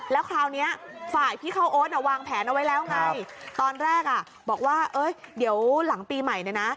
แล้วคราวนี้ฝ่ายพี่เข้าโอ๊ตวางแผนเอาไว้แล้วไงตอนแรกอ่ะบอกว่าเอ้ยเดี๋ยวหลังปีใหม่เนี่ยนะ